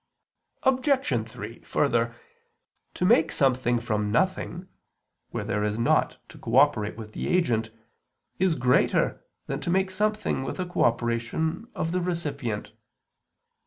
Obj. 3: Further, to make something from nothing, where there is nought to cooperate with the agent, is greater than to make something with the cooperation of the recipient.